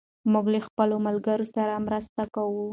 موږ له خپلو ملګرو سره مرسته کوو.